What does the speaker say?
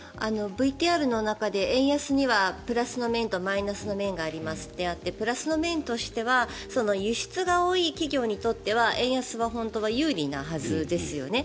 ＶＴＲの中で円安にはプラスの面とマイナスの面がありますとあってプラスの面としては輸出が多い企業にとっては円安は本当は有利なはずですよね。